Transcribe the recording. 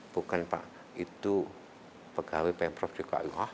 bukan pak itu pegawai pemprov dki